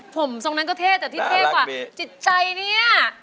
ผมทรงนั้นก็เท่แต่ที่เท่กว่าจิตใจเนี่ย